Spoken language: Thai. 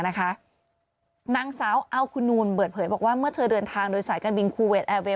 นางสาวอัลคูนูนเปิดเผยบอกว่าเมื่อเธอเดินทางโดยสายการบินคูเวทแอร์เวล